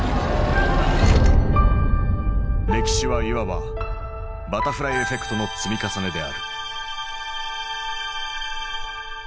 歴史はいわば「バタフライエフェクト」の積み重ねである。